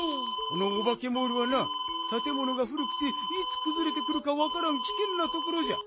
このオバケモールはなたてものがふるくていつくずれてくるかわからんきけんなところじゃ。